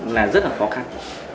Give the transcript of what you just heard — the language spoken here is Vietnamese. là rất là khó khăn